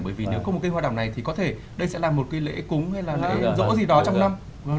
bởi vì nếu có một cây hoa đào này thì có thể đây sẽ là một cây lễ cúng hay là lễ dỗ gì đó trong năm